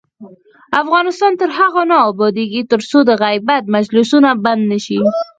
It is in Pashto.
افغانستان تر هغو نه ابادیږي، ترڅو د غیبت مجلسونه بند نشي.